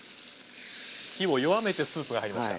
火を弱めてスープが入りました。